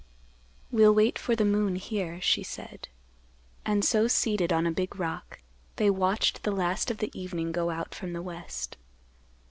"We'll wait for the moon, here," she said; and so seated on a big rock, they watched the last of the evening go out from the west.